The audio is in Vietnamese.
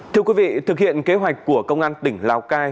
thưa quý vị thực hiện kế hoạch của công an tỉnh lào cai